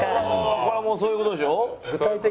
これはもうそういう事でしょ？